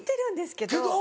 けど？